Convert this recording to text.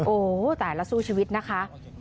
โอ้โหแต่ละสู้ชีวิตนะคะ